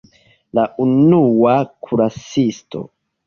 La unua kuracisto!